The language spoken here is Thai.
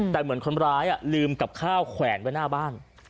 แต่เหมือนคนร้ายลืมกับข้าวแขวนไว้หน้าบ้าน